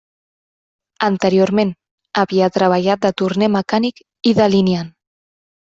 Anteriorment havia treballat de torner mecànic i delineant.